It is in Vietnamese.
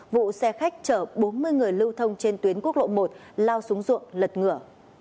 vụ xe khách chở bốn mươi người lưu thông trên tuyến quốc lộ một lao xuống ruộng lật ngửa